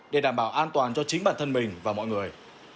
để đảm bảo an toàn cho chính bản thân mình và mọi người